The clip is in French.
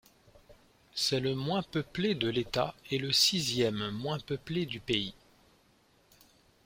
C’est le moins peuplé de l’État et le sixième moins peuplé du pays.